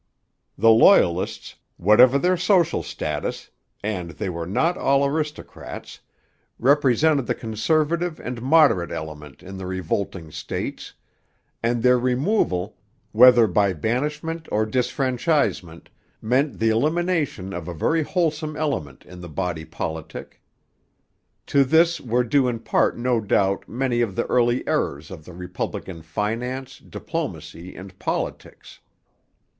The Loyalists, whatever their social status (and they were not all aristocrats), represented the conservative and moderate element in the revolting states; and their removal, whether by banishment or disfranchisement, meant the elimination of a very wholesome element in the body politic. To this were due in part no doubt many of the early errors of the republic in finance, diplomacy, and politics.